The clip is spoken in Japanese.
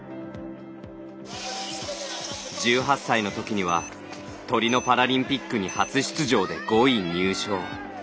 １８歳のときにはトリノパラリンピックに初出場で５位入賞。